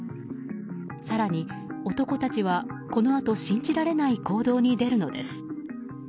更に、男たちはこのあと信じられない行動に出るのです。